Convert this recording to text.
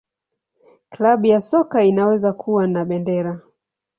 Klabu ya soka inaweza kuwa na bendera.